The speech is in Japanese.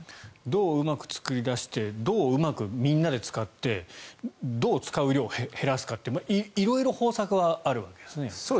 どううまく作り出してどううまくみんなで使ってどう使う量を減らすかって色々方策はあるわけですね。